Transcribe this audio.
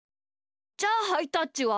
じゃあハイタッチは？